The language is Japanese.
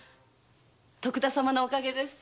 徳田様のお陰です。